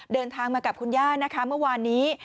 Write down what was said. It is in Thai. เดินทางมากับคุณย่านะคะเมื่อวานนี้